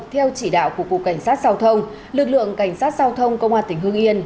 theo chỉ đạo của cục cảnh sát giao thông lực lượng cảnh sát giao thông công an tỉnh hương yên